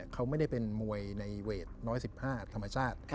เขาไม่ได้เป็นมวยในเวท๑๑๕ธรรมชาติ